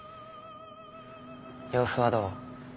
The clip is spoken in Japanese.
様子はどう？